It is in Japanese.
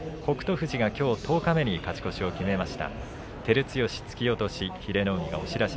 富士はきょう十日目に勝ち越しを決めました。